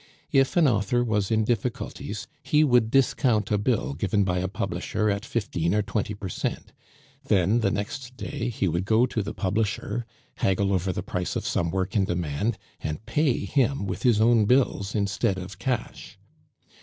If an author was in difficulties, he would discount a bill given by a publisher at fifteen or twenty per cent; then the next day he would go to the publisher, haggle over the price of some work in demand, and pay him with his own bills instead of cash.